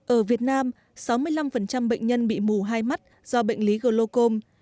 ở việt nam sáu mươi năm bệnh nhân bị mù hai mắt do bệnh lý glocom